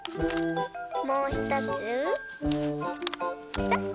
もうひとつぺた。